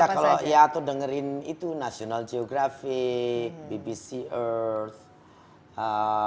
baca kalau ya tuh dengerin itu national geographic bbc earth